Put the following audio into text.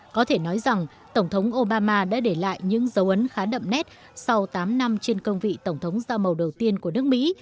có thể nói rằng tổng thống obama đã để lại những dấu ấn khá đậm nét sau tám năm trên công vị tổng thống da màu đầu tiên của nước mỹ